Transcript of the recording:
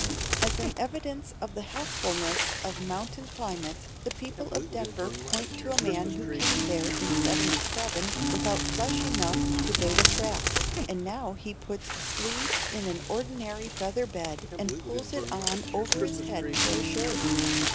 As an evidence of the healthfulness of mountain climate, the people of Denver point to a man who came there in '77 without flesh enough to bait a trap, and now he puts sleeves in an ordinary feather bed and pulls it on over his head for a shirt.